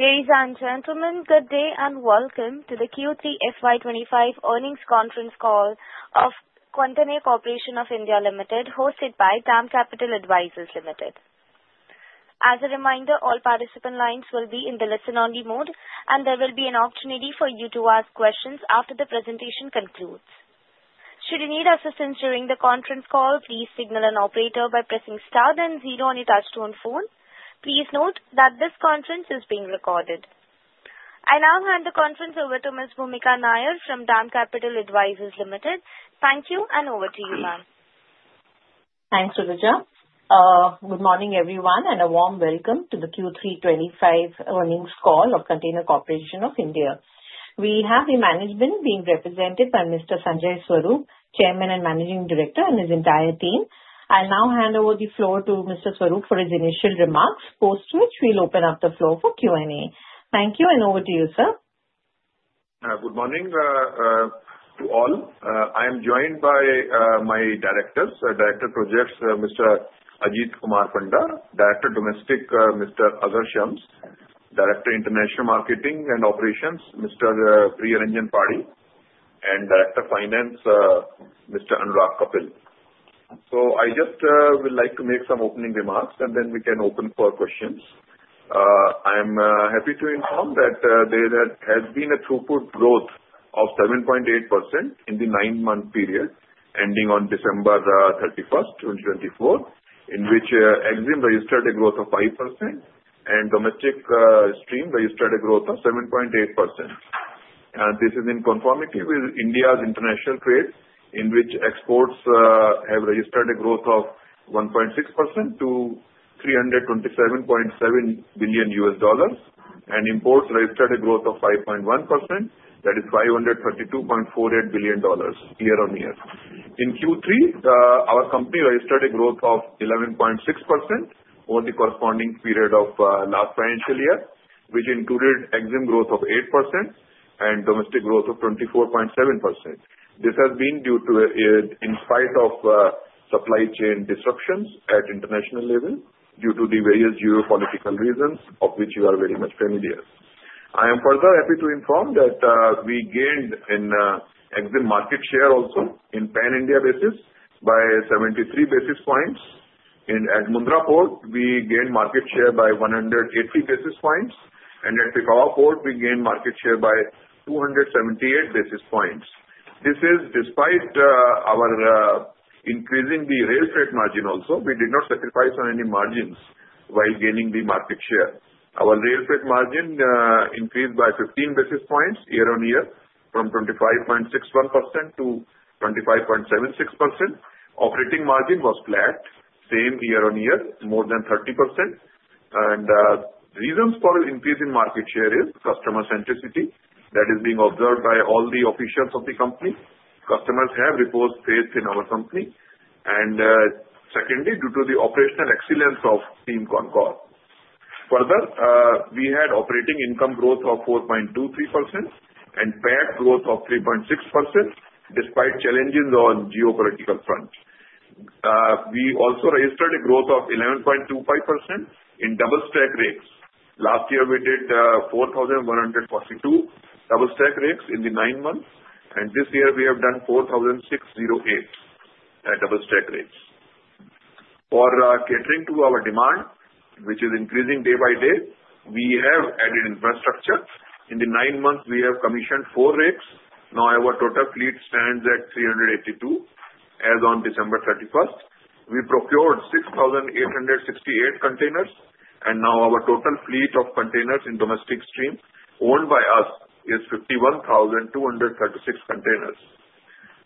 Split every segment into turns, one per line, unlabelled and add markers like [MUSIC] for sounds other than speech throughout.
Ladies and gentlemen, good day and welcome to the Q3 FY 2025 Earnings Conference Call of Container Corporation of India Limited, hosted by DAM Capital Advisors Limited. As a reminder, all participant lines will be in the listen-only mode, and there will be an opportunity for you to ask questions after the presentation concludes. Should you need assistance during the conference call, please signal an operator by pressing star then zero on your touch-tone phone. Please note that this conference is being recorded. I now hand the conference over to Ms. Bhoomika Nair from DAM Capital Advisors Limited. Thank you, and over to you, ma'am.
Thanks, Ruja. Good morning, everyone, and a warm welcome to the Q3 2025 Earnings Call of Container Corporation of India. We have the management being represented by Mr. Sanjay Swarup, Chairman and Managing Director, and his entire team. I'll now hand over the floor to Mr. Swarup for his initial remarks, post which we'll open up the floor for Q&A. Thank you, and over to you, sir.
Good morning to all. I am joined by my directors. Director of Projects, Mr. Ajit Kumar Panda; Director of Domestic, Mr. Azhar Shams; Director of International Marketing and Operations, Mr. Priya Ranjan Parhi; and Director of Finance, Mr. Anurag Kapil. So I just would like to make some opening remarks, and then we can open for questions. I'm happy to inform that there has been a throughput growth of 7.8% in the nine-month period ending on December 31st, 2024, in which EXIM registered a growth of 5%, and domestic stream registered a growth of 7.8%. This is in conformity with India's international trade, in which exports have registered a growth of 1.6% to $327.7 billion, and imports registered a growth of 5.1%, that is $532.48 billion year-on-year. In Q3, our company registered a growth of 11.6% over the corresponding period of last financial year, which included EXIM growth of 8% and domestic growth of 24.7%. This has been due to, in spite of supply chain disruptions at international level, due to the various geopolitical reasons of which you are very much familiar. I am further happy to inform that we gained in EXIM market share also in pan-India basis by 73 basis points. In Mundra Port, we gained market share by 180 basis points, and at Pipavav Port, we gained market share by 278 basis points. This is despite our increasing the rail freight margin also. We did not sacrifice on any margins while gaining the market share. Our rail freight margin increased by 15 basis points year-on-year from 25.61% to 25.76%. Operating margin was flat, same year-on-year, more than 30%. The reasons for increase in market share is customer centricity that is being observed by all the officials of the company. Customers have repose faith in our company. And secondly, due to the operational excellence of Team CONCOR. Further, we had operating income growth of 4.23% and PAT growth of 3.6% despite challenges on geopolitical front. We also registered a growth of 11.25% in double-stack rakes. Last year, we did 4,142 double-stack rakes in the nine months, and this year we have done 4,608 double-stack rakes. For catering to our demand, which is increasing day by day, we have added infrastructure. In the nine months, we have commissioned four rakes. Now our total fleet stands at 382 as of December 31st. We procured 6,868 containers, and now our total fleet of containers in domestic stream owned by us is 51,236 containers.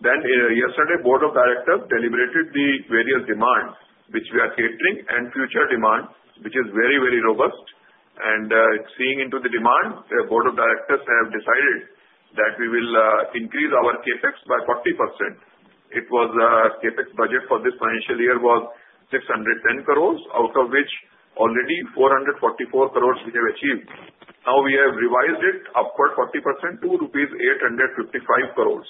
Then yesterday, Board of Directors deliberated the various demands which we are catering and future demand, which is very, very robust. And seeing into the demand, Board of Directors have decided that we will increase our CapEx by 40%. It was CapEx budget for this financial year 610 crores, out of which already 444 crores we have achieved. Now we have revised it upward 40% to rupees 855 crores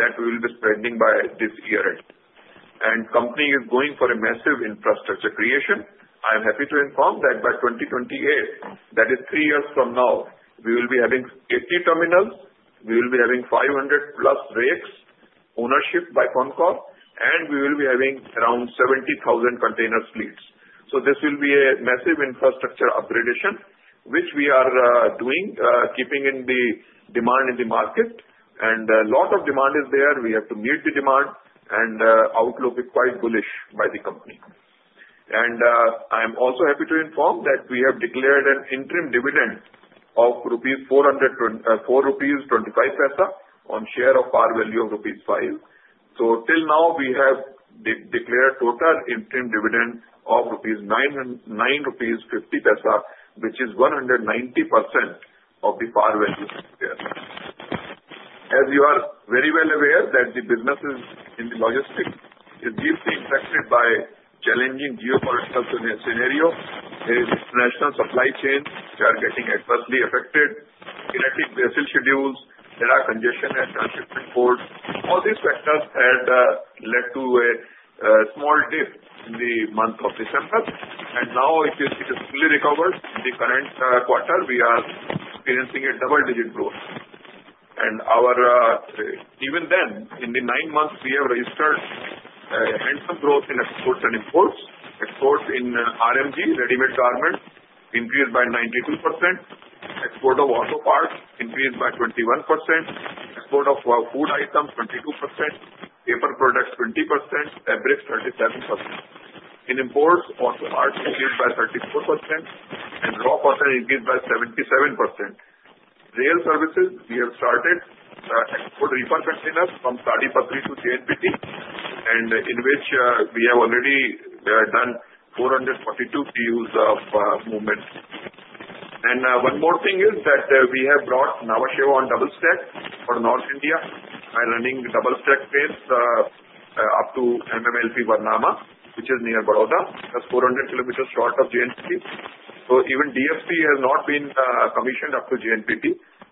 that we will be spending by this year end. And the company is going for a massive infrastructure creation. I'm happy to inform that by 2028, that is three years from now, we will be having 80 terminals, we will be having 500+ rakes, ownership by CONCOR, and we will be having around 70,000 container fleets. So this will be a massive infrastructure upgradation, which we are doing, keeping in the demand in the market. A lot of demand is there. We have to meet the demand, and the outlook is quite bullish by the company. I'm also happy to inform that we have declared an interim dividend of 4.25 rupees on share of par value of rupees 5. Till now, we have declared total interim dividend of 9.50 rupees, which is 190% of the par value here. As you are very well aware that the businesses in the logistics are deeply impacted by challenging geopolitical scenarios. There is international supply chain is adversely affected, erratic vessel schedules, there are congestion at transshipment ports. All these factors had led to a small dip in the month of December, and now it has fully recovered. In the current quarter, we are experiencing a double-digit growth. Even then, in the nine months, we have registered handsome growth in exports and imports. Exports in RMG, ready-made garments, increased by 92%. Export of auto parts increased by 21%. Export of food items 22%. Paper products 20%. Fabrics 37%. In imports, auto parts increased by 34% and raw cotton increased by 77%. Rail services, we have started export reefer containers from Sonipat to JNPT, and in which we have already done 442 TEUs of movement. One more thing is that we have brought Nhava Sheva on double-stack for North India. We are running double-stack rakes up to MMLP Varnama, which is near Baroda, just 400 km short of JNPT. Even DFC has not been commissioned up to JNPT,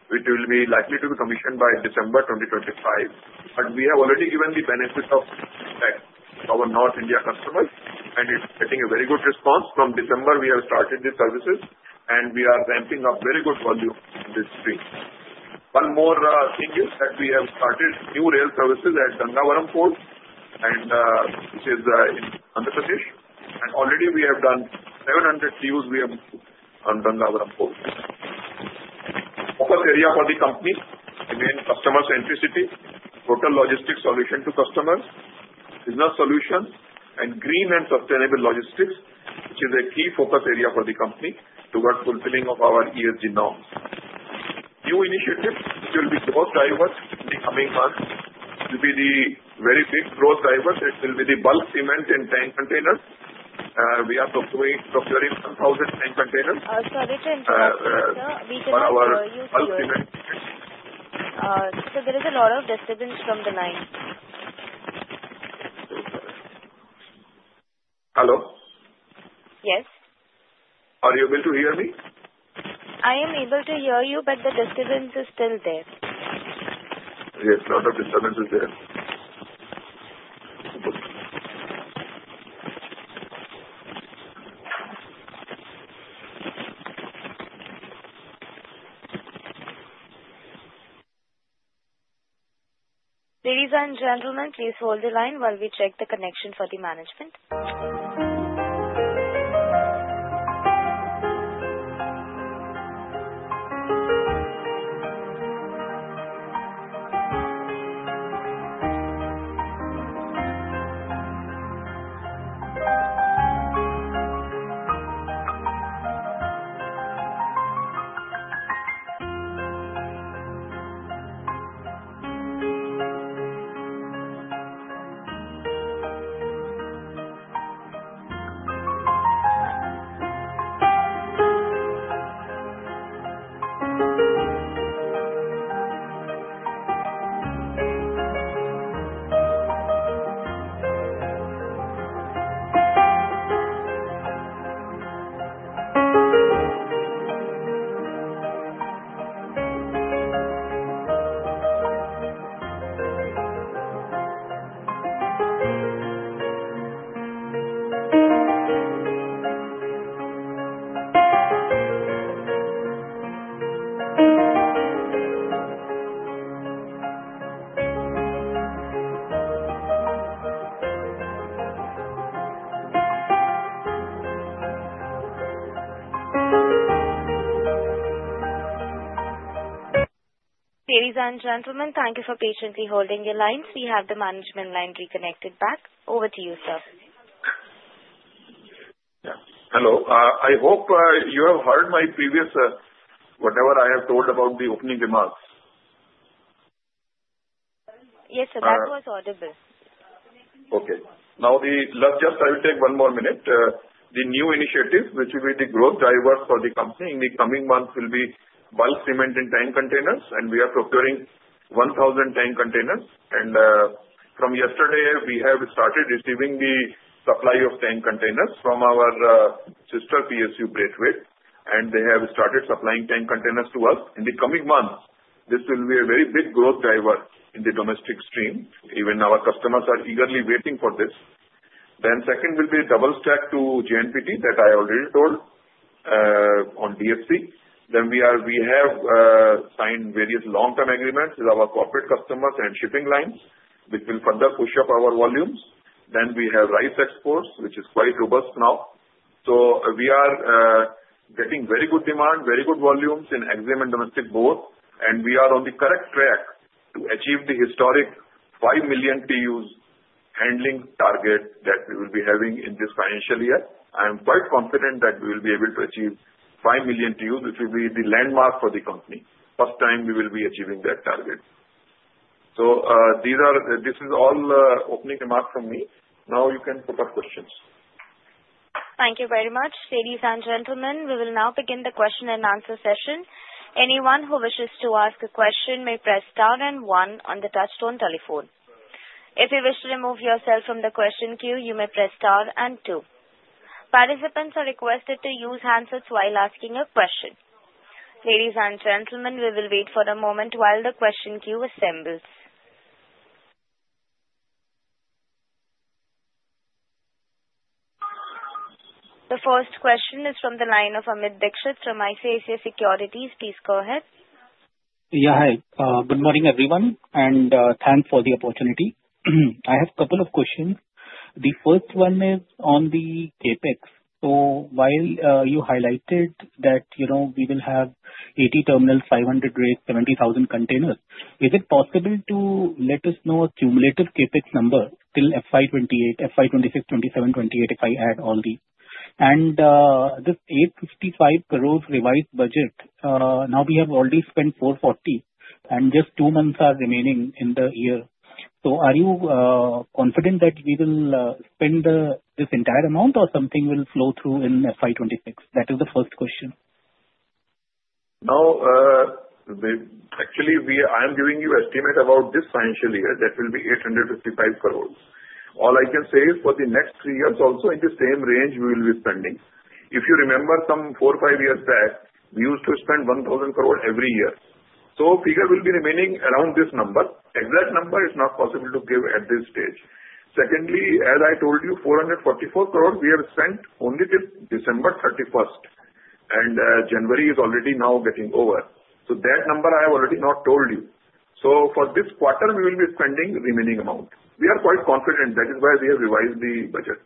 which will be likely to be commissioned by December 2025. We have already given the benefit of impact to our North India customers, and it's getting a very good response. From December, we have started these services, and we are ramping up very good volume in this stream. One more thing is that we have started new rail services at Gangavaram Port, which is in Andhra Pradesh, and already we have done 700 TEUs on Gangavaram Port. Focus area for the company remains customer centricity, total logistics solution to customers, business solutions, and green and sustainable logistics, which is a key focus area for the company towards fulfilling of our ESG norms. New initiatives which will be growth drivers in the coming months will be the very big growth drivers. It will be the bulk cement and tank containers. We are procuring 1,000 tank containers.
Sorry to interrupt, sir. We just got a new call. So there is a lot of disturbance from the line.
Hello?
Yes.
Are you able to hear me?
I am able to hear you, but the disturbance is still there.
Yes, a lot of disturbance is there.
Ladies and gentlemen, please hold the line while we check the connection for the management. Ladies and gentlemen, thank you for patiently holding your lines. We have the management line reconnected back. Over to you, sir.
Hello. I hope you have heard my previous whatever I have told about the opening remarks.
Yes, sir. That was audible.
Okay. Now, just I will take one more minute. The new initiative, which will be the growth drivers for the company in the coming months, will be bulk cement and tank containers, and we are procuring 1,000 tank containers. From yesterday, we have started receiving the supply of tank containers from our sister PSU, Braithwaite, and they have started supplying tank containers to us. In the coming months, this will be a very big growth driver in the domestic stream. Even our customers are eagerly waiting for this. Second will be double-stack to JNPT that I already told on DFC. We have signed various long-term agreements with our corporate customers and shipping lines, which will further push up our volumes. We have rice exports, which is quite robust now. So we are getting very good demand, very good volumes in EXIM and domestic both, and we are on the correct track to achieve the historic 5 million TEUs handling target that we will be having in this financial year. I am quite confident that we will be able to achieve 5 million TEUs, which will be the landmark for the company. First time we will be achieving that target. So this is all opening remarks from me. Now you can put up questions.
Thank you very much. Ladies and gentlemen, we will now begin the question and answer session. Anyone who wishes to ask a question may press star and one on the touch-tone telephone. If you wish to remove yourself from the question queue, you may press star and two. Participants are requested to use handsets while asking a question. Ladies and gentlemen, we will wait for a moment while the question queue assembles. The first question is from the line of Amit Dixit from ICICI Securities. Please go ahead.
Yeah, hi. Good morning, everyone, and thanks for the opportunity. I have a couple of questions. The first one is on the CapEx. So while you highlighted that we will have 80 terminals, 500 rakes, 70,000 containers, is it possible to let us know a cumulative CapEx number till FY 2028, FY 2026, 2027, 2027 if I add all these? And this 855 crores revised budget, now we have already spent 440 crores, and just two months are remaining in the year. So are you confident that we will spend this entire amount or something will flow through in FY 2026? That is the first question.
Now, actually, I am giving you an estimate about this financial year that will be 855 crores. All I can say is for the next three years also in the same range we will be spending. If you remember some four, five years back, we used to spend 1,000 crores every year. So figure will be remaining around this number. Exact number is not possible to give at this stage. Secondly, as I told you, 444 crores we have spent only till December 31st, and January is already now getting over. So that number I have already not told you. So for this quarter, we will be spending the remaining amount. We are quite confident. That is why we have revised the budget.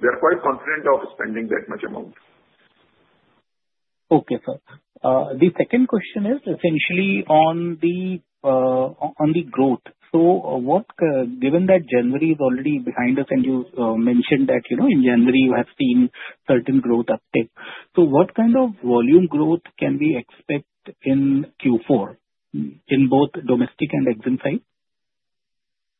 We are quite confident of spending that much amount.
Okay, sir. The second question is essentially on the growth. So given that January is already behind us and you mentioned that in January you have seen certain growth uptake, so what kind of volume growth can we expect in Q4 in both domestic and EXIM side?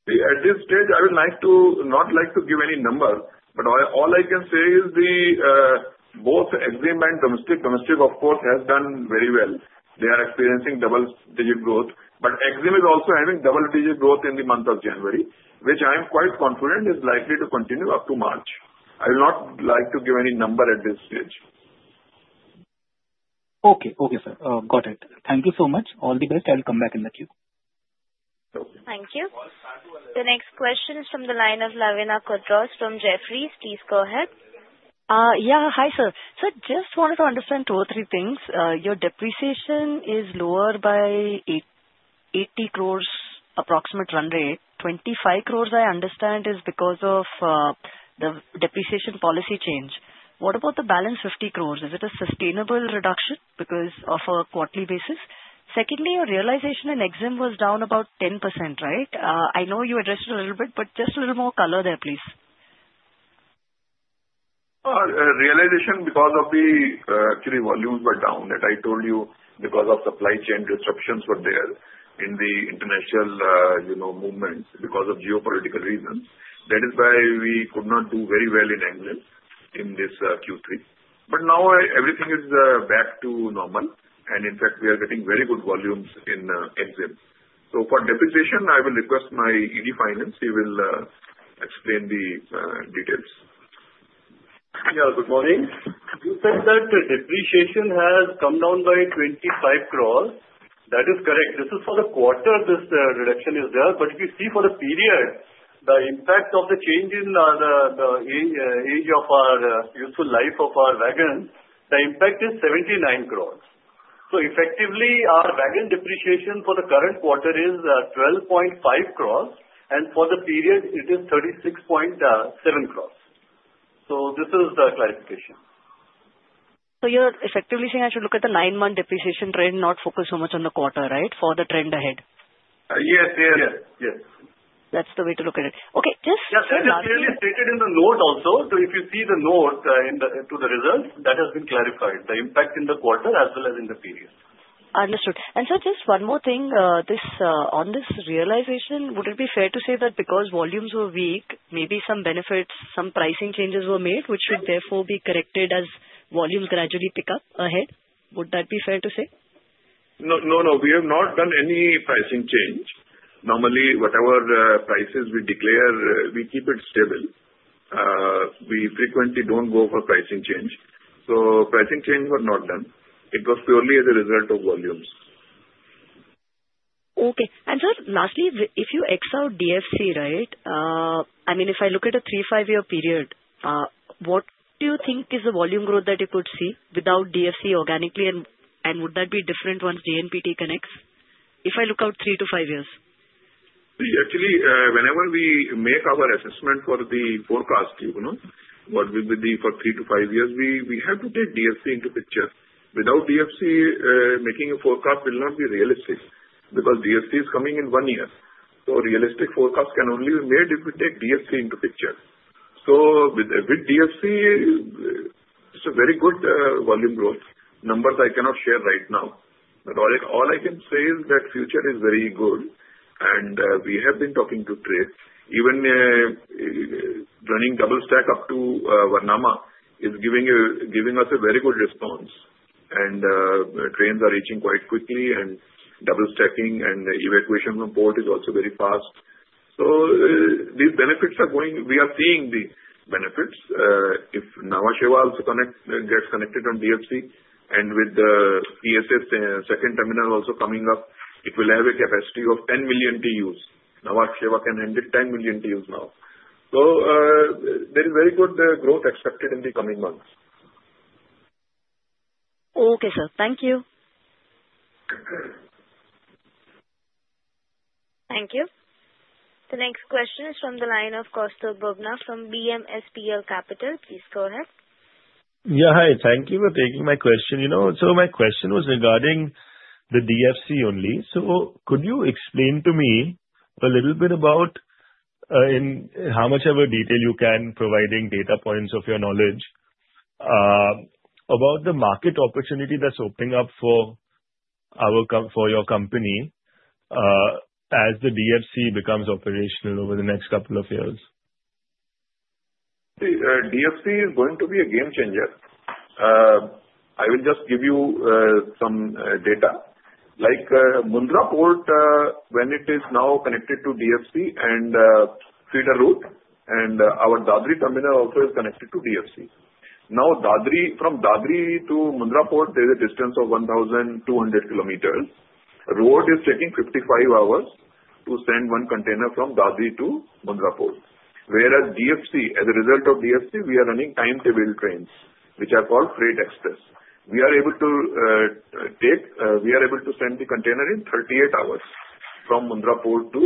At this stage, I would not like to give any number, but all I can say is both EXIM and domestic. Domestic, of course, has done very well. They are experiencing double-digit growth, but EXIM is also having double-digit growth in the month of January, which I am quite confident is likely to continue up to March. I will not like to give any number at this stage.
Okay, okay, sir. Got it. Thank you so much. All the best. I'll come back in the queue.
Thank you. The next question is from the line of Lavina Quadros from Jefferies. Please go ahead.
Yeah, hi, sir. So I just wanted to understand two or three things. Your depreciation is lower by 80 crores approximate run rate. 25 crores, I understand, is because of the depreciation policy change. What about the balance 50 crores? Is it a sustainable reduction because of a quarterly basis? Secondly, your realization in EXIM was down about 10%, right? I know you addressed it a little bit, but just a little more color there, please.
Realization because of the actually volumes were down that I told you because of supply chain disruptions were there in the international movements because of geopolitical reasons. That is why we could not do very well in EXIM in this Q3. But now everything is back to normal, and in fact, we are getting very good volumes in EXIM. So for depreciation, I will request my ED Finance. He will explain the details.
Yeah, good morning. You said that depreciation has come down by 25 crores. That is correct. This is for the quarter this reduction is there, but if you see for the period, the impact of the change in the age of our useful life of our wagon, the impact is 79 crores. So effectively, our wagon depreciation for the current quarter is 12.5 crores, and for the period, it is 36.7 crores. So this is the clarification.
So you're effectively saying I should look at the nine-month depreciation trend, not focus so much on the quarter, right, for the trend ahead?
Yes. Yes, yes.
That's the way to look at it. Okay, just.
Yes, and it's clearly stated in the note also. So if you see the note to the results, that has been clarified, the impact in the quarter as well as in the period.
Understood. And sir, just one more thing on this realization. Would it be fair to say that because volumes were weak, maybe some benefits, some pricing changes were made, which should therefore be corrected as volumes gradually pick up ahead? Would that be fair to say?
No, no, no. We have not done any pricing change. Normally, whatever prices we declare, we keep it stable. We frequently don't go for pricing change. So pricing changes were not done. It was purely as a result of volumes.
Okay. And sir, lastly, if you ex-out DFC, right, I mean, if I look at a three- to five-year period, what do you think is the volume growth that you could see without DFC organically, and would that be different once JNPT connects? If I look out three to five years.
Actually, whenever we make our assessment for the forecast, what will be for three to five years, we have to take DFC into the picture. Without DFC, making a forecast will not be realistic because DFC is coming in one year. So realistic forecasts can only be made if we take DFC into the picture. So with DFC, it's a very good volume growth. Numbers I cannot share right now. But all I can say is that the future is very good, and we have been talking to trade. Even running double-stack up to Varnama is giving us a very good response, and trains are reaching quite quickly, and double-stacking and evacuation from port is also very fast. So these benefits are going, we are seeing the benefits. If Nhava Sheva also gets connected on DFC and with the PSA second terminal also coming up, it will have a capacity of 10 million TEUs. Nhava Sheva can handle 10 million TEUs now. So there is very good growth expected in the coming months.
Okay, sir. Thank you.
Thank you. The next question is from the line of Koustav Bubna from BMSPL Capital. Please go ahead.
Yeah, hi. Thank you for taking my question. So my question was regarding the DFC only. So could you explain to me a little bit about in how much of a detail you can provide in data points of your knowledge about the market opportunity that's opening up for your company as the DFC becomes operational over the next couple of years?
DFC is going to be a game changer. I will just give you some data. Like Mundra Port, when it is now connected to DFC and feeder route, and our Dadri terminal also is connected to DFC. Now, from Dadri to Mundra Port, there is a distance of 1,200 km. Road is taking 55 hours to send one container from Dadri to Mundra Port. Whereas DFC, as a result of DFC, we are running timetable trains, which are called Freight Express. We are able to send the container in 38 hours from Dadri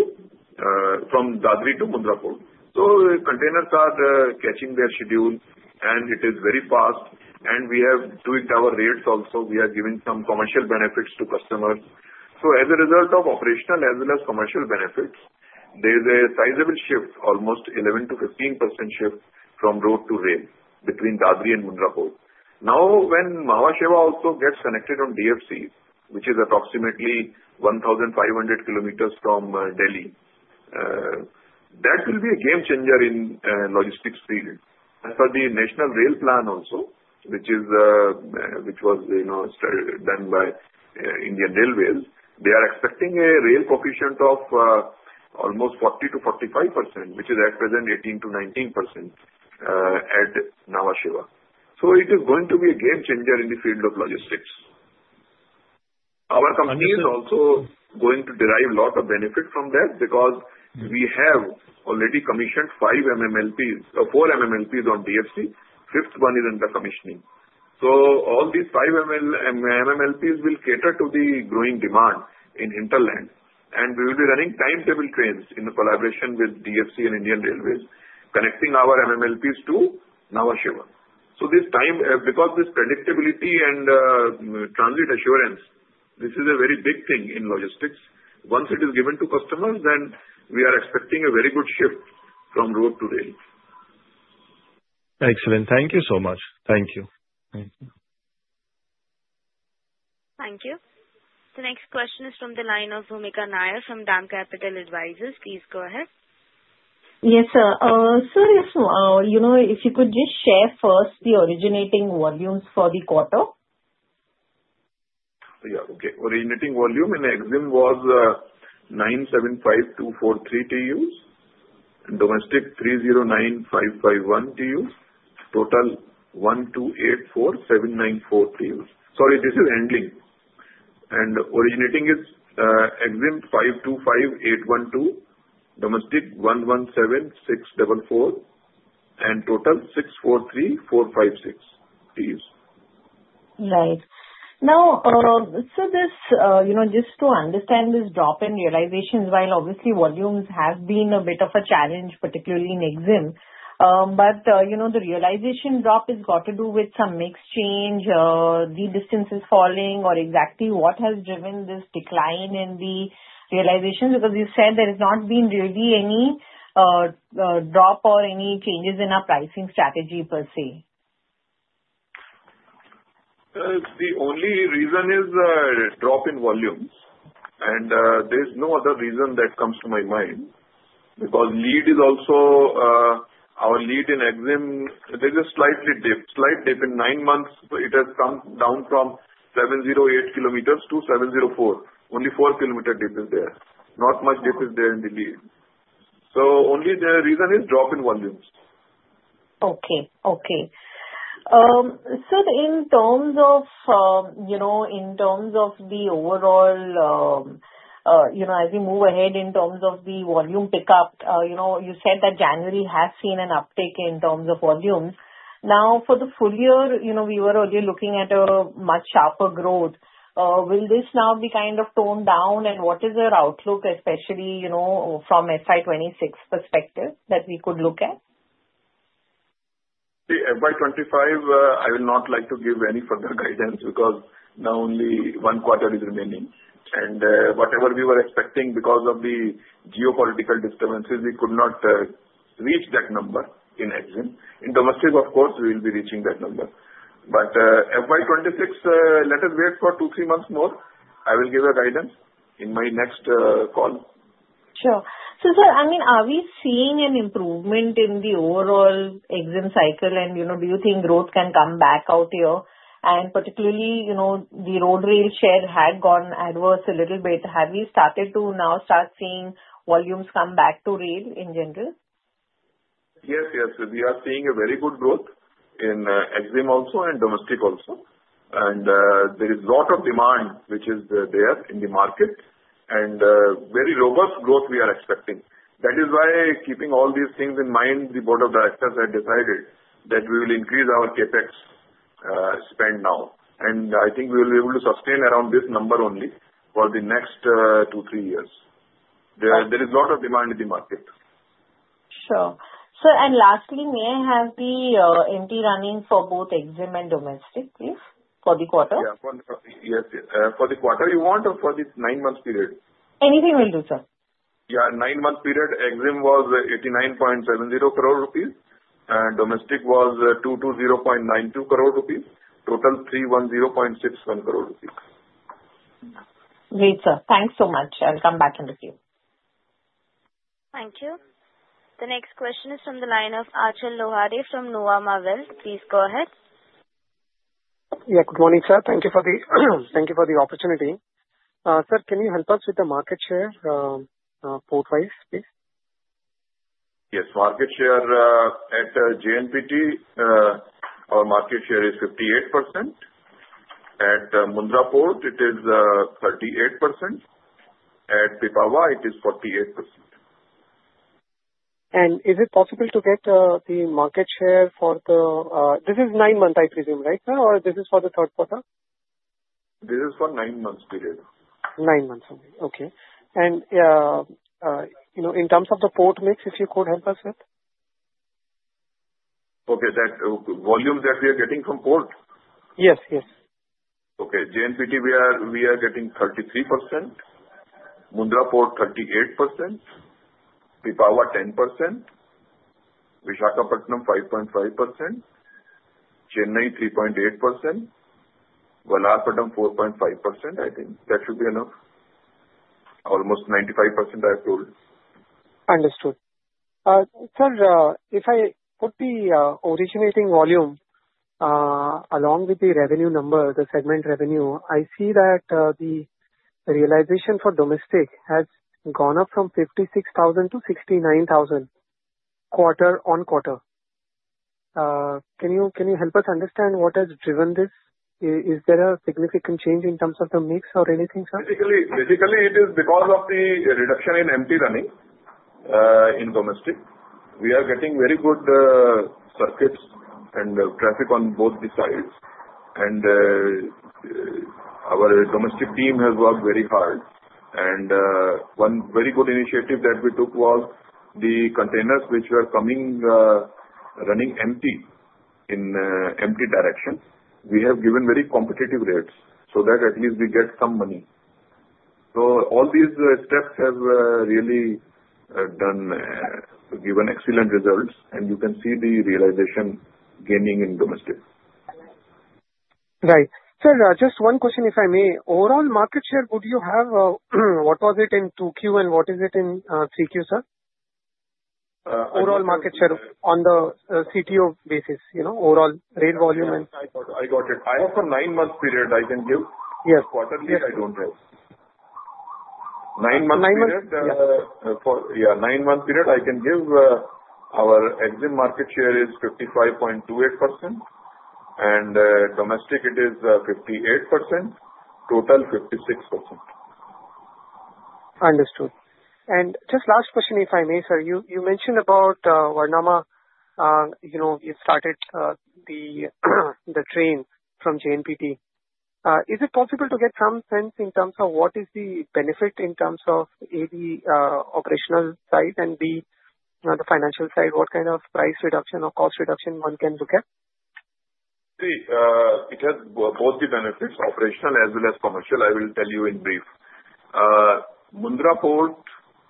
to Mundra Port. So containers are catching their schedule, and it is very fast, and we have tweaked our rates also. We are giving some commercial benefits to customers. So as a result of operational as well as commercial benefits, there is a sizable shift, almost 11%-15% shift from road to rail between Dadri and Mundra Port. Now, when Nhava Sheva also gets connected on DFC, which is approximately 1,500 kilometers from Delhi, that will be a game changer in logistics. As for the National Rail Plan also, which was done by Indian Railways, they are expecting a rail coefficient of almost 40%-45%, which is at present 18%-19% at Nhava Sheva. So it is going to be a game changer in the field of logistics. Our company is also going to derive a lot of benefit from that because we have already commissioned five MMLPs, four MMLPs on DFC. Fifth one is under commissioning. So all these five MMLPs will cater to the growing demand in hinterland, and we will be running timetable trains in collaboration with DFC and Indian Railways, connecting our MMLPs to Nhava Sheva. So, because this predictability and transit assurance, this is a very big thing in logistics. Once it is given to customers, then we are expecting a very good shift from road to rail.
Excellent. Thank you so much. Thank you.
Thank you. The next question is from the line of Bhoomika Nair from DAM Capital Advisors. Please go ahead.
Yes, sir, so if you could just share first the originating volumes for the quarter?
Yeah, okay. Originating volume in EXIM was 975,243 TEUs, domestic 309,551 TEUs, total 1,284,794 TEUs. Sorry, this is handling. And originating is EXIM 525,812, domestic 117,644, and total 643,456 TEUs.
Right. Now, so just to understand this drop in realization, while obviously volumes have been a bit of a challenge, particularly in EXIM, but the realization drop has got to do with some mix change, the distances falling, or exactly what has driven this decline in the realization? Because you said there has not been really any drop or any changes in our pricing strategy per se.
The only reason is drop in volumes, and there is no other reason that comes to my mind because lead is also our lead in EXIM. There is a slight dip in nine months. It has come down from 708 km to 704 km. Only 4 km dip is there. Not much dip is there in the lead. So only the reason is drop in volumes.
Okay, okay. So in terms of the overall, as we move ahead in terms of the volume pickup, you said that January has seen an uptake in terms of volumes. Now, for the full year, we were already looking at a much sharper growth. Will this now be kind of toned down, and what is your outlook, especially from FY 2026 perspective, that we could look at?
FY 2025, I will not like to give any further guidance because now only one quarter is remaining. And whatever we were expecting because of the geopolitical disturbances, we could not reach that number in EXIM. In domestic, of course, we will be reaching that number. But FY 2026, let us wait for two, three months more. I will give you guidance in my next call.
Sure. So sir, I mean, are we seeing an improvement in the overall EXIM cycle, and do you think growth can come back out here, and particularly, the road-rail share had gone adverse a little bit. Have we started to now start seeing volumes come back to rail in general?
Yes, yes, sir. We are seeing a very good growth in EXIM also and domestic also. And there is a lot of demand, which is there in the market, and very robust growth we are expecting. That is why, keeping all these things in mind, the board of directors had decided that we will increase our CapEx spend now. And I think we will be able to sustain around this number only for the next two, three years. There is a lot of demand in the market.
Sure. Sir, and lastly, may I have the MT running for both EXIM and domestic, please, for the quarter?
Yeah, for the quarter. You want or for this nine-month period?
Anything will do, sir.
Yeah, nine-month period. EXIM was INR 89.70 crore. Domestic was INR 220.92 crore. Total INR 310.61 crore.
Great, sir. Thanks so much. I'll come back and review.
Thank you. The next question is from the line of Achal Lohade from Nuvama Wealth. Please go ahead.
Yeah, good morning, sir. Thank you for the opportunity. Sir, can you help us with the market share port-wise, please?
Yes, market share at JNPT, our market share is 58%. At Mundra Port, it is 38%. At Pipavav, it is 48%.
Is it possible to get the market share for this? Is nine-month, I presume, right, sir? Or this is for the third quarter?
This is for nine-month period.
Nine months, okay. Okay. And in terms of the port mix, if you could help us with?
Okay, that volume that we are getting from port?
Yes, yes.
Okay, JNPT, we are getting 33%. Mundra Port, 38%. Pipavav, 10%. Visakhapatnam, 5.5%. Chennai, 3.8%. Vallarpadam, 4.5%. I think that should be enough. Almost 95%, I have told.
Understood. Sir, if I put the originating volume along with the revenue number, the segment revenue, I see that the realization for domestic has gone up from 56,000 to 69,000 quarter-on-quarter. Can you help us understand what has driven this? Is there a significant change in terms of the mix or anything, sir?
Basically, it is because of the reduction in MT running in domestic. We are getting very good circuits and traffic on both the sides. And our domestic team has worked very hard. And one very good initiative that we took was the containers which were coming running empty in empty direction. We have given very competitive rates so that at least we get some money. So all these steps have really given excellent results, and you can see the realization gaining in domestic.
Right. Sir, just one question, if I may. Overall market share, would you have what was it in 2Q and what is it in 3Q, sir? Overall market share on the CTO basis, overall rail volume and.
I got it. I have a nine-month period I can give.
Yes.
Quarterly, I don't have.
Nine months period?
Yeah, nine-month period, I can give our EXIM market share is 55.28%. And domestic, it is 58%. Total, 56%.
Understood. And just last question, if I may, sir. You mentioned about Varnama, you started the train from JNPT. Is it possible to get some sense in terms of what is the benefit in terms of the operational side and the financial side? What kind of price reduction or cost reduction one can look at?
See, it has both the benefits, operational as well as commercial. I will tell you in brief. Mundra Port,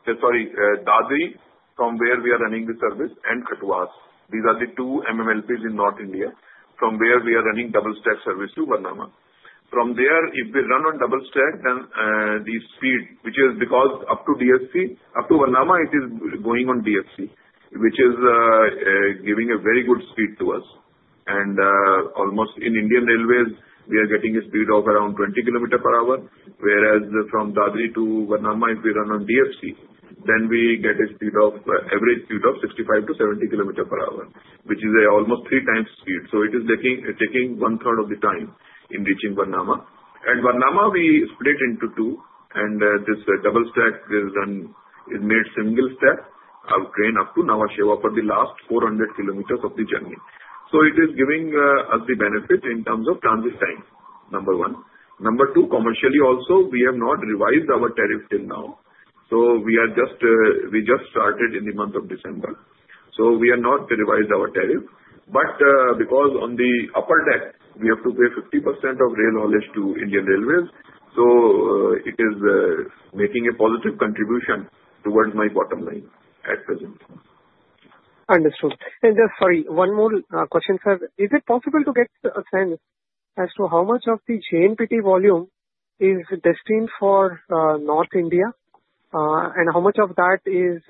sorry, Dadri, from where we are running the service and Kathuwas. These are the two MMLPs in North India from where we are running double-stack service to Varnama. From there, if we run on double-stack, then the speed, which is because up to DFC, up to Varnama, it is going on DFC, which is giving a very good speed to us. And almost in Indian Railways, we are getting a speed of around 20 kms per hour. Whereas from Dadri to Varnama, if we run on DFC, then we get a speed of average speed of 65kms-70 kms per hour, which is almost three times speed. So it is taking one-third of the time in reaching Varnama. At Varnama, we split into two, and this double-stack is made single-stack. Our train up to Nhava Sheva for the last 400 km of the journey. So it is giving us the benefit in terms of transit time, number one. Number two, commercially also, we have not revised our tariff till now. So we just started in the month of December. So we have not revised our tariff. But because on the upper deck, we have to pay 50% of rail haulage to Indian Railways, so it is making a positive contribution towards my bottom line at present.
Understood. And sorry, one more question, sir. Is it possible to get a sense as to how much of the JNPT volume is destined for North India and how much of that is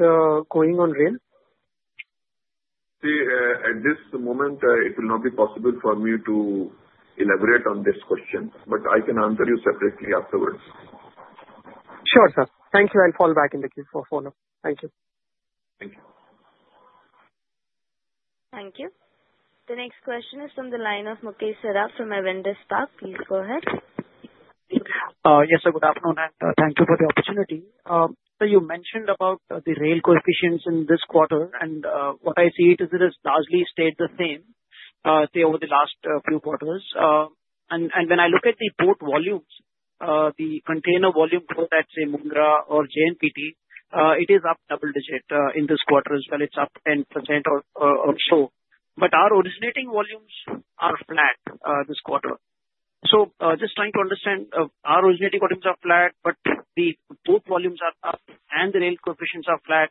going on rail?
See, at this moment, it will not be possible for me to elaborate on this question, but I can answer you separately afterwards.
Sure, sir. Thank you. I'll call back in the queue for follow-up. Thank you.
Thank you.
Thank you. The next question is from the line of Mukesh Saraf from Avendus Spark. Please go ahead.
Yes, sir, good afternoon, and thank you for the opportunity. So you mentioned about the rail coefficients in this quarter, and what I see is it has largely stayed the same over the last few quarters, and when I look at the port volumes, the container volume for, let's say, Mundra or JNPT, it is up double-digit in this quarter as well. It's up 10% or so, but our originating volumes are flat this quarter, so just trying to understand, our originating volumes are flat, but the port volumes are up, and the rail coefficients are flat.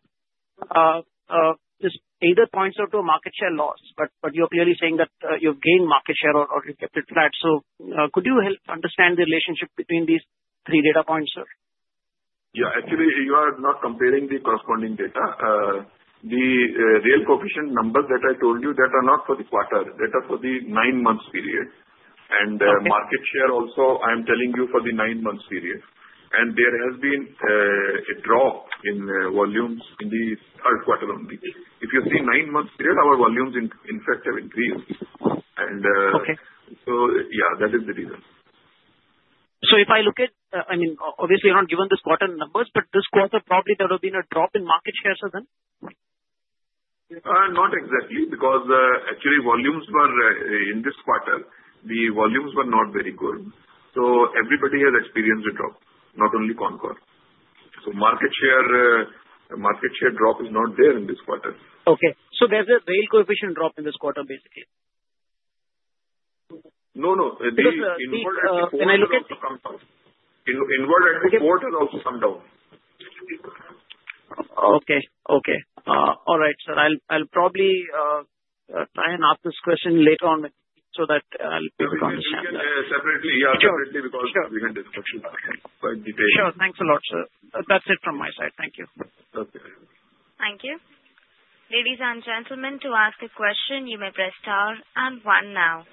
This either points out to a market share loss, but you're clearly saying that you've gained market share or you kept it flat, so could you help understand the relationship between these three data points, sir?
Yeah, actually, you are not comparing the corresponding data. The rail coefficient numbers that I told you, that are not for the quarter. That are for the nine-month period. And market share also, I am telling you for the nine-month period. And there has been a drop in volumes in the third quarter only. If you see nine-month period, our volumes, in fact, have increased. And so yeah, that is the reason.
So if I look at, I mean, obviously, you're not given this quarter numbers, but this quarter, probably there would have been a drop in market share, sir, then?
Not exactly, because actually volumes were in this quarter, the volumes were not very good. So everybody has experienced a drop, not only CONCOR. So market share drop is not there in this quarter.
Okay. There's a rail coefficient drop in this quarter, basically?
No, no. The inverted support also comes down.
Can I look at?
Inverted support will also come down.
Okay, okay. All right, sir. I'll probably try and ask this question later on so that I'll be able to understand that.
Separately, yeah, separately because we had discussion quite detailed.
Sure. Thanks a lot, sir. That's it from my side. Thank you.
Okay.
Thank you. Ladies and gentlemen, to ask a question, you may press star and one now.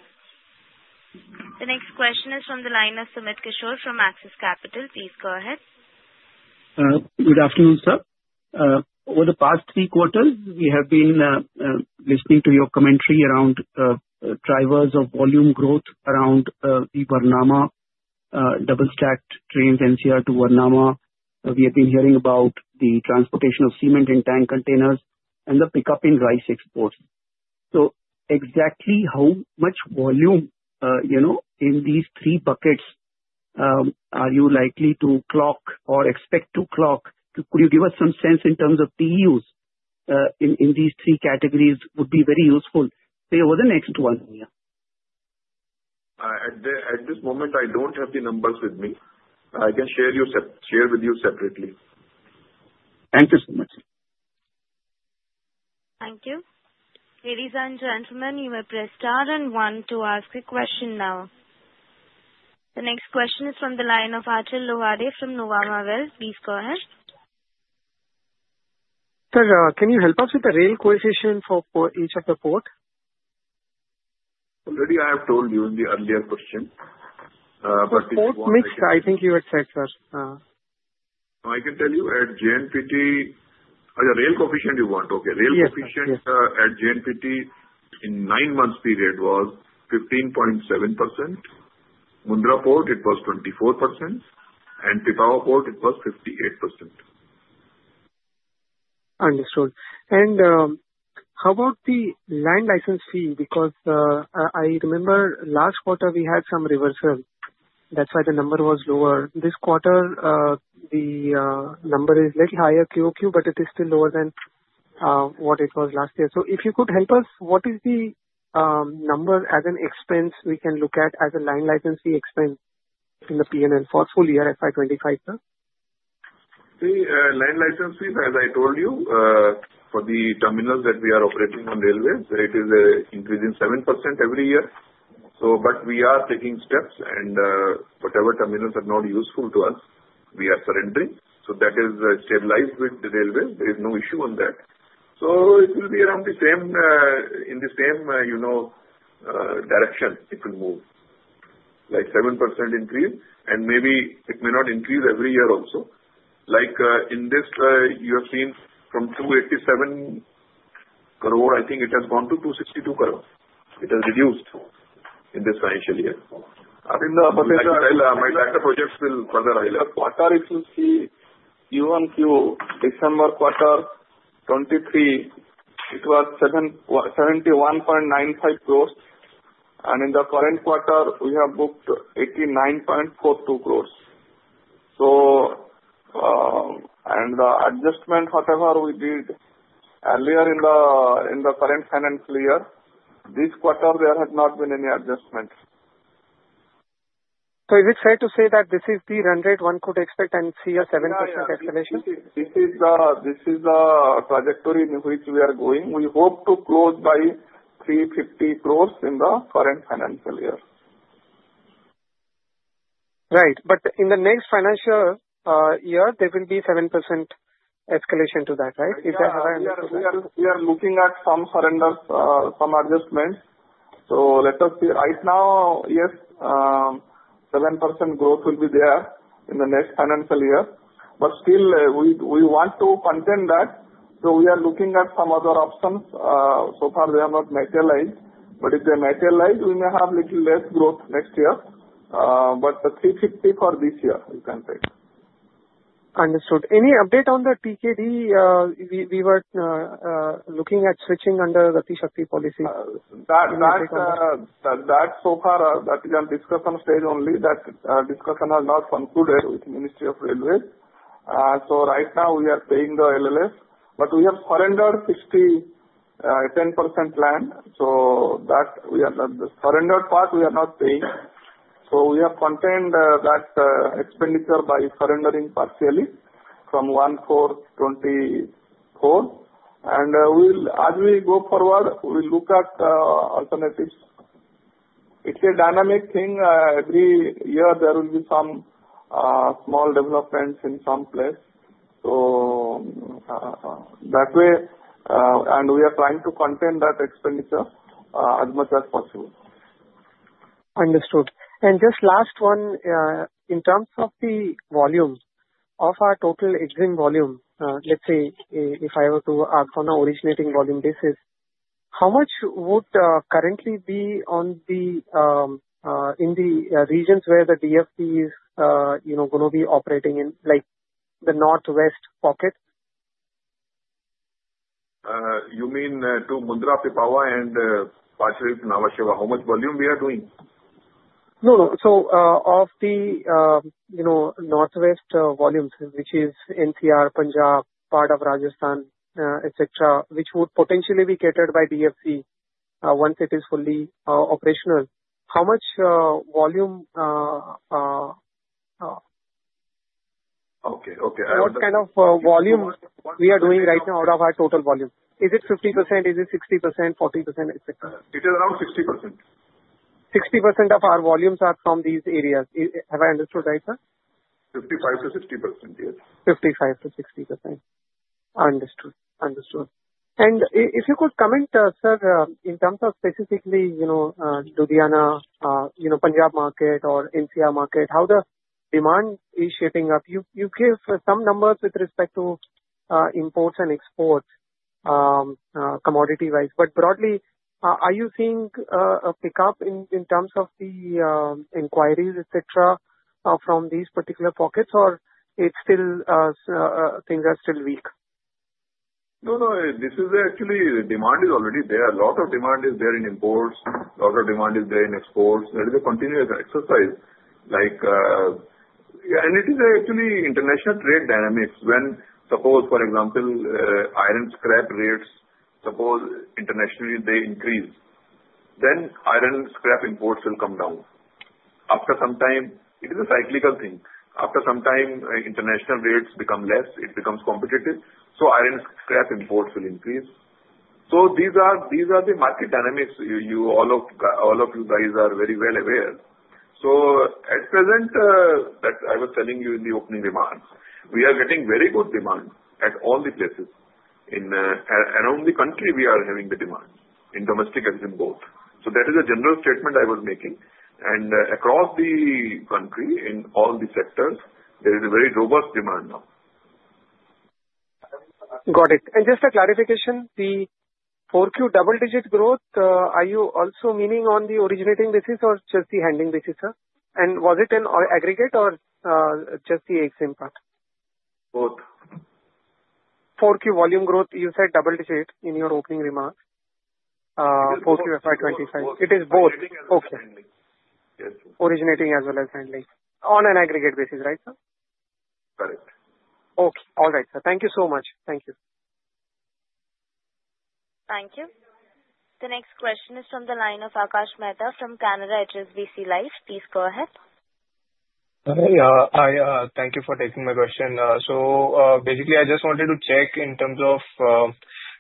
The next question is from the line of Sumit Kishore from Axis Capital. Please go ahead.
Good afternoon, sir. Over the past three quarters, we have been listening to your commentary around drivers of volume growth around the Varnama double-stack trains, NCR to Varnama. We have been hearing about the transportation of cement and tank containers and the pickup in rice exports. So exactly how much volume in these three buckets are you likely to clock or expect to clock? Could you give us some sense in terms of TEUs in these three categories would be very useful. Say over the next one, yeah.
At this moment, I don't have the numbers with me. I can share with you separately.
Thank you so much.
Thank you. Ladies and gentlemen, you may press star and one to ask a question now. The next question is from the line of Achal Lohade from Nuvama Wealth. Please go ahead.
Sir, can you help us with the rail coefficient for each of the ports?
Already I have told you in the earlier question.
The port mix, I think you had said, sir.
I can tell you at JNPT, the rail coefficient you want, okay? Rail coefficient at JNPT in nine-month period was 15.7%. Mundra Port, it was 24%. And Pipavav Port, it was 58%.
Understood. And how about the land license fee? Because I remember last quarter we had some reversal. That's why the number was lower. This quarter, the number is a little higher QOQ, but it is still lower than what it was last year. So if you could help us, what is the number as an expense we can look at as a land license fee expense in the P&L for full year FY 2025, sir?
See, land license fees, as I told you, for the terminals that we are operating on railways, it is increasing 7% every year. But we are taking steps, and whatever terminals are not useful to us, we are surrendering. So that is stabilized with the railways. There is no issue on that. So it will be around the same in the same direction it will move. Like 7% increase, and maybe it may not increase every year also. Like in this, you have seen from 287 crore, I think it has gone to 262 crore. It has reduced in this financial year. [CROSSTALK]
For the quarterly, Q1, Q2, December quarter, 2023, it was INR 71.95 crore. And in the current quarter, we have booked 89.42 crore. The adjustment, whatever we did earlier in the current financial year, this quarter there has not been any adjustment.
So is it fair to say that this is the run rate one could expect and see a 7% acceleration?
This is the trajectory in which we are going. We hope to close by 350 crore in the current financial year.
Right. But in the next financial year, there will be 7% escalation to that, right?
We are looking at some surrenders, some adjustments. So let us see. Right now, yes, 7% growth will be there in the next financial year. But still, we want to contend that. So we are looking at some other options. So far, they have not materialized. But if they materialize, we may have a little less growth next year. But 350 for this year, you can take.
Understood. Any update on the TKD? We were looking at switching under Gati Shakti policy.
That, so far, is a discussion stage only. That discussion has not concluded with Ministry of Railways. So right now, we are paying the LLF. But we have surrendered 60.10% land. So that surrendered part, we are not paying. So we have contained that expenditure by surrendering partially from 1/4/2024. And as we go forward, we'll look at alternatives. It's a dynamic thing. Every year, there will be some small developments in some place. So that way, and we are trying to contain that expenditure as much as possible.
Understood. And just last one, in terms of the volume of our total existing volume, let's say if I were to ask on our originating volume basis, how much would currently be in the regions where the DFC is going to be operating in, like the northwest pocket?
You mean to Mundra, Pipavav, and Paradip, Nhava Sheva? How much volume we are doing?
No, no. So of the northwest volumes, which is NCR, Punjab, part of Rajasthan, etc., which would potentially be catered by DFC once it is fully operational, how much volume?
Okay, okay.
What kind of volume we are doing right now out of our total volume? Is it 50%? Is it 60%? 40%?
It is around 60%.
60% of our volumes are from these areas. Have I understood right, sir?
55%-60%, yes.
55%-60%. Understood. Understood. And if you could comment, sir, in terms of specifically Ludhiana, Punjab market, or NCR market, how the demand is shaping up? You give some numbers with respect to imports and exports commodity-wise. But broadly, are you seeing a pickup in terms of the inquiries, etc., from these particular pockets, or things are still weak?
No, no. This is actually the demand is already there. A lot of demand is there in imports. A lot of demand is there in exports. There is a continuous exercise. And it is actually international trade dynamics. When, suppose, for example, iron scrap rates, suppose internationally they increase, then iron scrap imports will come down. After some time, it is a cyclical thing. After some time, international rates become less, it becomes competitive. So iron scrap imports will increase. So these are the market dynamics. All of you guys are very well aware. So at present, that I was telling you in the opening remarks, we are getting very good demand at all the places. Around the country, we are having the demand in domestic existing growth. So that is a general statement I was making. Across the country, in all the sectors, there is a very robust demand now.
Got it. And just a clarification, the 4Q double-digit growth, are you also meaning on the originating basis or just the handling basis, sir? And was it an aggregate or just the EXIM part?
Both.
4Q volume growth, you said double-digit in your opening remarks.
Yes, 4Q.
4Q FY 2025. It is both. Okay.
Yes.
Originating as well as handling on an aggregate basis, right, sir?
Correct.
Okay. All right, sir. Thank you so much. Thank you.
Thank you. The next question is from the line of Akash Mehta from Canara HSBC Life. Please go ahead.
Hi. Thank you for taking my question. So basically, I just wanted to check in terms of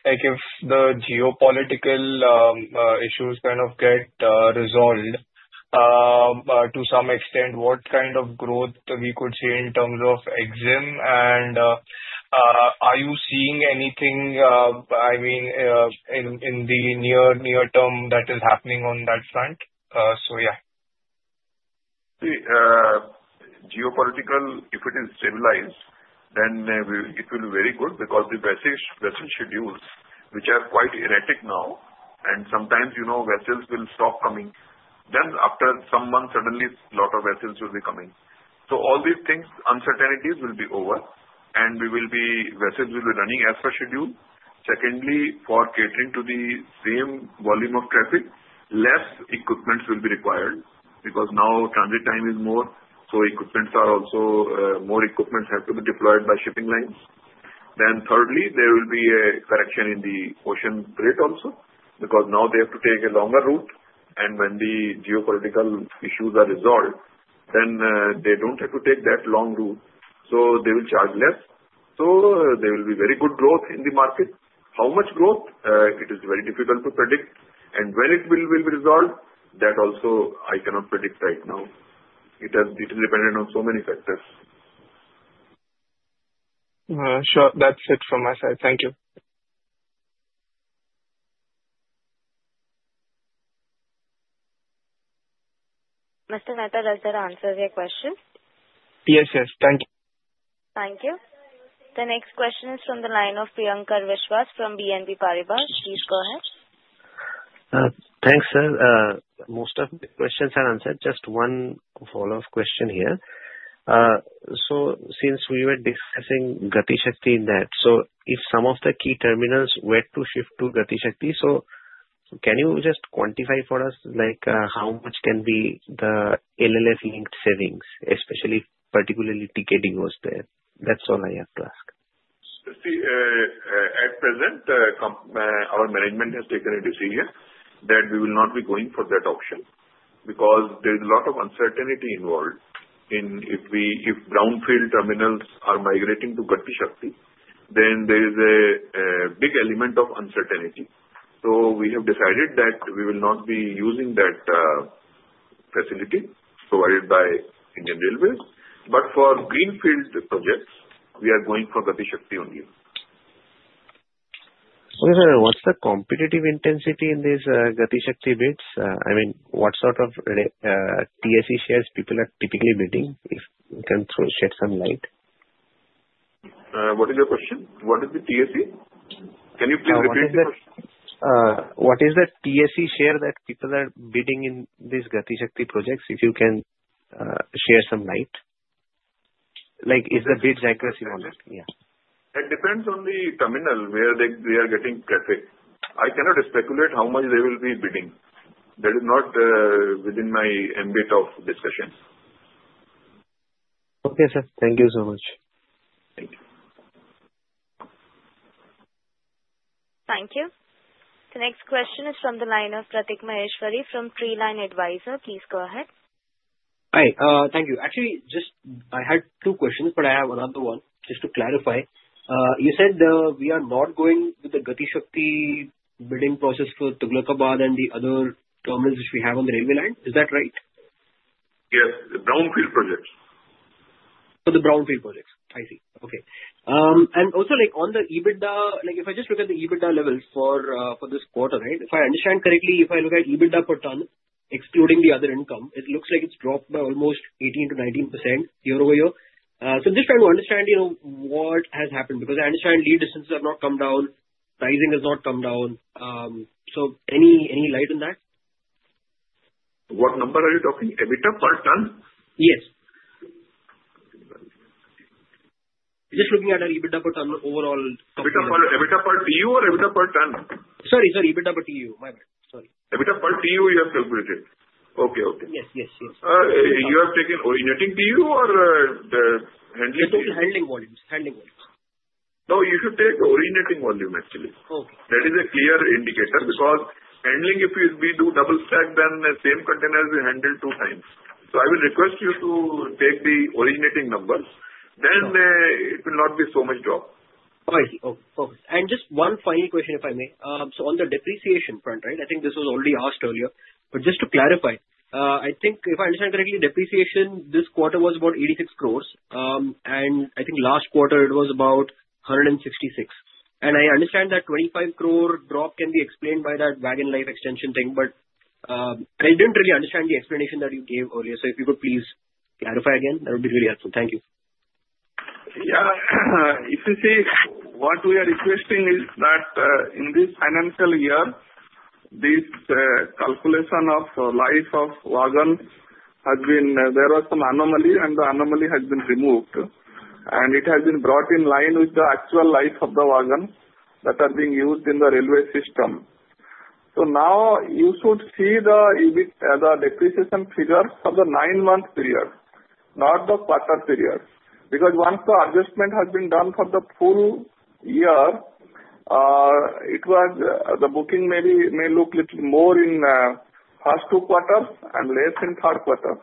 if the geopolitical issues kind of get resolved to some extent, what kind of growth we could see in terms of EXIM? And are you seeing anything, I mean, in the near term that is happening on that front? So yeah.
See, geopolitical, if it is stabilized, then it will be very good because the vessel schedules, which are quite erratic now, and sometimes vessels will stop coming, then after some months, suddenly a lot of vessels will be coming. So all these things, uncertainties will be over, and vessels will be running as per schedule. Secondly, for catering to the same volume of traffic, less equipment will be required because now transit time is more. So more equipment has to be deployed by shipping lines. Then thirdly, there will be a correction in the ocean freight also because now they have to take a longer route, and when the geopolitical issues are resolved, then they don't have to take that long route. So they will charge less. So there will be very good growth in the market. How much growth? It is very difficult to predict. When it will be resolved, that also I cannot predict right now. It is dependent on so many factors.
Sure. That's it from my side. Thank you.
Mr. Mehta, does that answer your question?
Yes, yes. Thank you.
Thank you. The next question is from the line of Priyankar Biswas from BNP Paribas. Please go ahead.
Thanks, sir. Most of the questions are answered. Just one follow-up question here. So since we were discussing Gati Shakti in that, so if some of the key terminals were to shift to Gati Shakti, so can you just quantify for us how much can be the LLF-linked savings, especially particularly ticketing was there? That's all I have to ask.
See, at present, our management has taken a decision that we will not be going for that option because there is a lot of uncertainty involved. If brownfield terminals are migrating to Gati Shakti, then there is a big element of uncertainty. So we have decided that we will not be using that facility provided by Indian Railways. But for greenfield projects, we are going for Gati Shakti only.
Sir, what's the competitive intensity in these Gati Shakti bids? I mean, what sort of TSE shares people are typically bidding? If you can shed some light.
What is your question? What is the TSE? Can you please repeat the question?
What is the TSE share that people are bidding in these Gati Shakti projects? If you can share some light. Is the bid's accuracy valid? Yeah.
It depends on the terminal where they are getting catered. I cannot speculate how much they will be bidding. That is not within my ambit of discussion.
Okay, sir. Thank you so much.
Thank you.
Thank you. The next question is from the line of Prateek Maheshwari from Treeline Advisors. Please go ahead.
Hi. Thank you. Actually, I had two questions, but I have another one just to clarify. You said we are not going with the Gati Shakti bidding process for Tughlakabad and the other terminals which we have on the railway line. Is that right?
Yes. The brownfield projects.
For the brownfield projects. I see. Okay. And also on the EBITDA, if I just look at the EBITDA levels for this quarter, right? If I understand correctly, if I look at EBITDA per ton, excluding the other income, it looks like it's dropped by almost 18%-19% year-over-year. So just trying to understand what has happened because I understand lead distances have not come down, pricing has not come down. So any light on that?
What number are you talking? EBITDA per ton?
Yes. Just looking at our EBITDA per ton overall.
EBITDA per TEU or EBITDA per ton?
Sorry, sorry. EBITDA per TEU. My bad. Sorry.
EBITDA per TEU you have calculated. Okay, okay.
Yes, yes, yes.
You have taken originating TEU or the handling?
It's only handling volumes. Handling volumes.
No, you should take the originating volume, actually. That is a clear indicator because handling, if we do double stack, then the same containers will handle two times. So I will request you to take the originating numbers. Then it will not be so much drop.
I see. Okay. And just one final question, if I may. So on the depreciation front, right? I think this was already asked earlier. But just to clarify, I think if I understand correctly, depreciation this quarter was about 86 crores. And I think last quarter it was about 166 crores. And I understand that 25 crore drop can be explained by that wagon life extension thing. But I didn't really understand the explanation that you gave earlier. So if you could please clarify again, that would be really helpful. Thank you.
Yeah. If you see, what we are requesting is that in this financial year, this calculation of life of wagon, there was some anomaly, and the anomaly has been removed. It has been brought in line with the actual life of the wagon that are being used in the railway system. So now you should see the depreciation figure for the nine-month period, not the quarter period. Because once the adjustment has been done for the full year, the booking may look a little more in the first two quarters and less in the third quarter.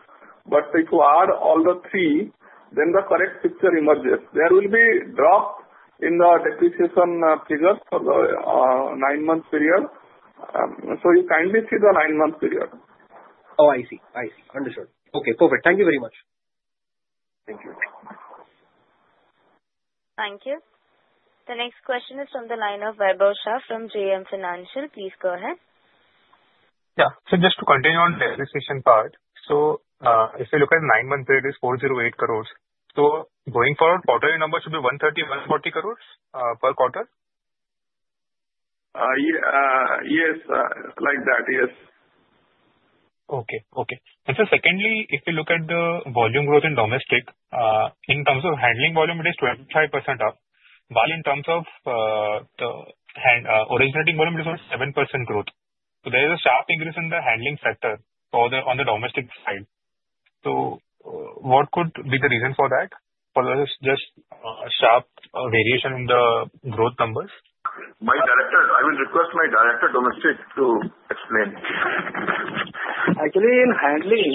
But if you add all the three, then the correct picture emerges. There will be a drop in the depreciation figure for the nine-month period. So you kindly see the nine-month period.
Oh, I see. I see. Understood. Okay. Perfect. Thank you very much.
Thank you.
Thank you. The next question is from the line of Vaibhav Shah from JM Financial. Please go ahead.
Yeah. So just to continue on the depreciation part, so if you look at the nine-month period, it is 408 crores. So going forward, quarterly number should be 130 crores, 140 crores per quarter?
Yes. Like that. Yes.
And so secondly, if you look at the volume growth in domestic, in terms of handling volume, it is 25% up. While in terms of the originating volume, it is only 7% growth. So there is a sharp increase in the handling factor on the domestic side. So what could be the reason for that? Or is it just a sharp variation in the growth numbers?
My Director. I will request my Director, Domestic, to explain.
Actually, in handling,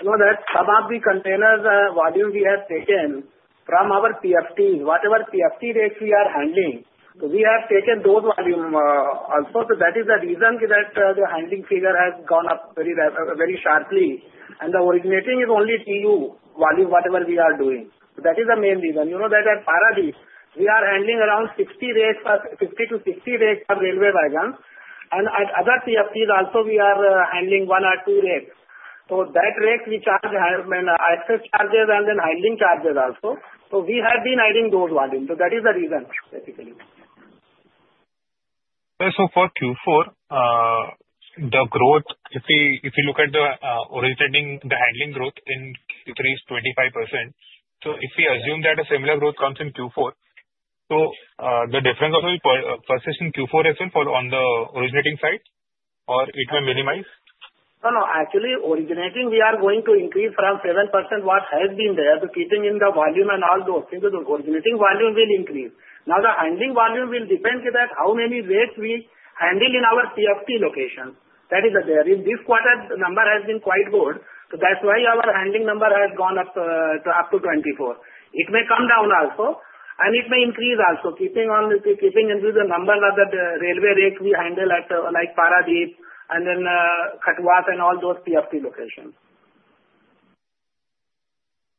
some of the containers' volume we have taken from our PFT, whatever PFT rakes we are handling, we have taken those volume also. So that is the reason that the handling figure has gone up very sharply, and the originating is only TEU volume, whatever we are doing. That is the main reason. You know that at Paradeep, we are handling around 50-60 rakes for railway wagons, and at other PFTs also, we are handling one or two rakes. So that rake we charge when access charges and then handling charges also. So we have been adding those volume. So that is the reason, basically.
So for Q4, the growth, if you look at the originating, the handling growth in Q3 is 25%. So if we assume that a similar growth comes in Q4, so the difference of the perception Q4 as well on the originating side, or it will minimize?
No, no. Actually, originating, we are going to increase from 7% what has been there to keeping in the volume and all those things. The originating volume will increase. Now the handling volume will depend on how many rakes we handle in our PFT location. That is the theory. This quarter, the number has been quite good. So that's why our handling number has gone up to 24. It may come down also, and it may increase also, keeping in view the number of the railway rakes we handle at Paradeep and then Kathuwas and all those PFT locations.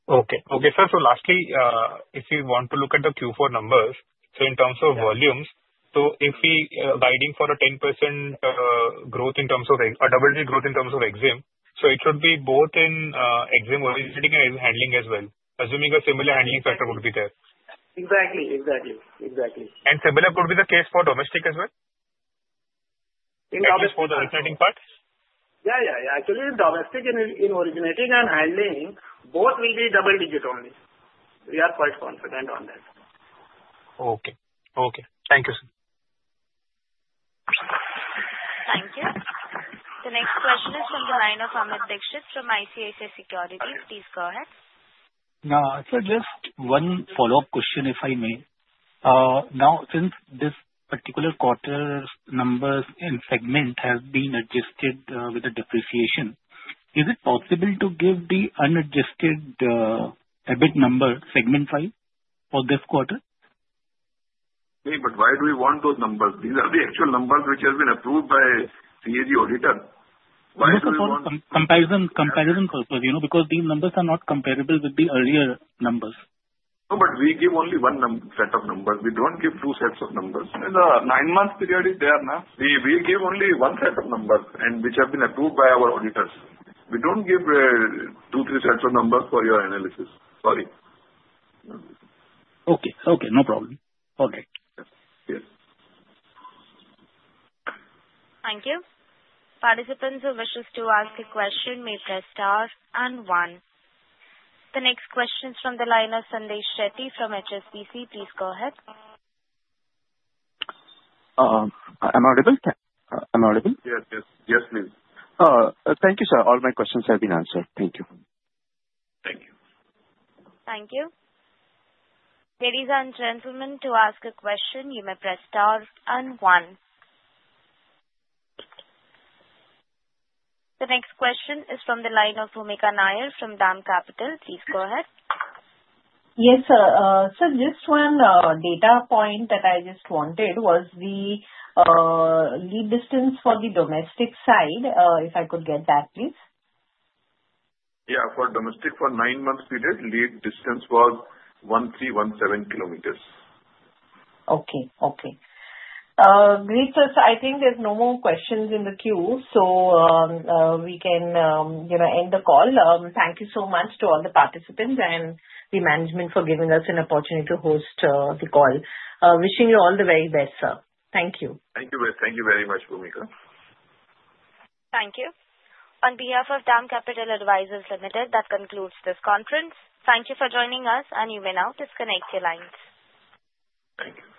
Okay. Okay, sir. So lastly, if you want to look at the Q4 numbers, so in terms of volumes, so if we are guiding for a 10% growth in terms of a double-digit growth in terms of EXIM, so it should be both in EXIM originating and handling as well. Assuming a similar handling factor would be there.
Exactly. Exactly. Exactly.
And similar could be the case for domestic as well?
In domestic.
Just for the originating part?
Yeah, yeah, yeah. Actually, domestic in originating and handling, both will be double-digit only. We are quite confident on that.
Okay. Okay. Thank you, sir.
Thank you. The next question is from the line of Amit Dixit from ICICI Securities. Please go ahead.
Now, sir, just one follow-up question, if I may. Now, since this particular quarter's numbers and segment have been adjusted with the depreciation, is it possible to give the unadjusted EBIT number segment-wise for this quarter?
See, but why do we want those numbers? These are the actual numbers which have been approved by CAG auditor. Why do we want?
Comparison purpose. Because these numbers are not comparable with the earlier numbers.
No, but we give only one set of numbers. We don't give two sets of numbers. In the nine-month period, it's there now. We give only one set of numbers which have been approved by our auditors. We don't give two, three sets of numbers for your analysis. Sorry.
Okay. Okay. No problem. All right.
Yes.
Thank you. Participants who wish to ask a question may press star and one. The next question is from the line of Sandeep Shetty from HSBC. Please go ahead.
I'm audible? I'm audible?
Yes, yes. Yes, please.
Thank you, sir. All my questions have been answered. Thank you.
Thank you.
Thank you. Ladies and gentlemen, to ask a question, you may press star and one. The next question is from the line of Bhoomika Nair from DAM Capital. Please go ahead.
Yes, sir. Sir, just one data point that I just wanted was the lead distance for the domestic side, if I could get that, please.
Yeah. For domestic, for nine-month period, lead distance was 1317 km.
Okay. Okay. Great, sir. So I think there's no more questions in the queue, so we can end the call. Thank you so much to all the participants and the management for giving us an opportunity to host the call. Wishing you all the very best, sir. Thank you.
Thank you. Thank you very much, Bhoomika.
Thank you. On behalf of DAM Capital Advisors Limited, that concludes this conference. Thank you for joining us, and you may now disconnect your lines.
Thank you.